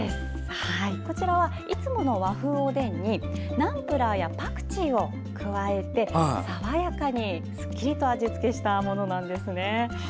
いつもの和風おでんにナンプラーやパクチーを加えて爽やかにすっきりと味付けしたものなんです。